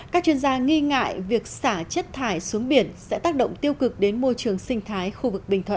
các chuyên gia nghi ngại việc xả chất thải xuống biển sẽ tác động tiêu cực đến môi trường sinh thái khu vực bình thuận